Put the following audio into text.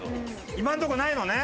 今のとこないのね？